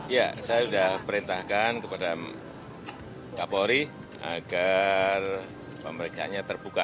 ya saya sudah perintahkan kepada kapolri agar pemeriksaannya terbuka